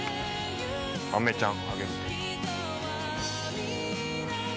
アメちゃんあげるって。